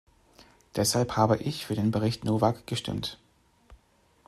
Deshalb habe ich für den Bericht Novak gestimmt.